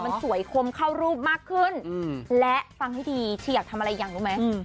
มันสวยคมเข้ารูปมากขึ้นและฟังให้ดีชีอยากทำอะไรอย่างรู้ไหม